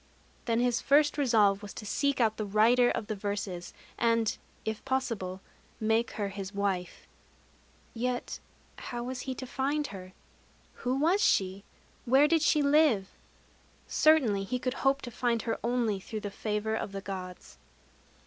Then his first resolve was to seek out the writer of the verses, and, if possible, make her his wife.... Yet how was he to find her? Who was she? Where did she live? Certainly he could hope to find her only through the favor of the Gods.